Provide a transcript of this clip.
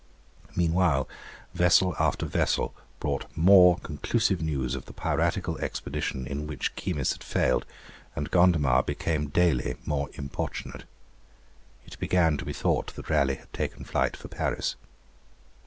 Meanwhile vessel after vessel brought more conclusive news of the piratical expedition in which Keymis had failed, and Gondomar became daily more importunate. It began to be thought that Raleigh had taken flight for Paris.